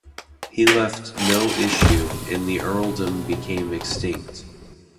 He left no issue, and the earldom became extinct.